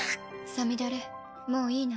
さみだれもういいな？